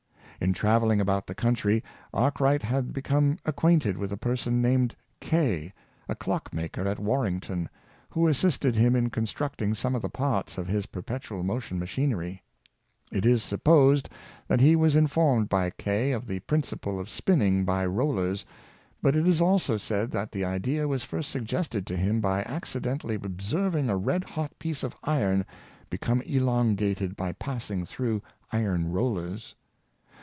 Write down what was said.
In traveling about the country, Arkwright had be come acquainted with a person named Kay, a clock maker at Warrington, who assisted him in constructing some of the parts of his perpetual motion machiner}^ It is supposed that he was informed by Kay of the principle of spinning by rollers, but it is also said that the idea was first suggested to him by accidentally ob serving a red hot piece of iron become elongated by passing between iron rollers.